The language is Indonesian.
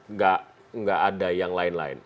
nggak ada yang lain lain